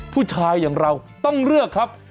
ผู้ชายอย่างเราต้องเลือกครับ